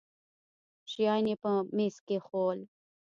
شيان يې پر ميز کښېښوول.